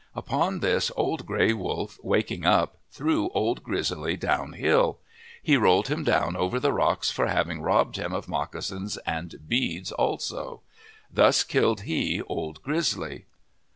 Upon this, Old Gray Wolf, wak ing up, threw Old Grizzly down hill. He rolled him down over the rocks for having robbed him of moc casins and beads also. Thus killed he Old Grizzly.